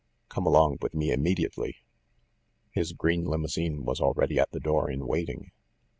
Come along with me im mediately." His green limousine was already at the door in waiting.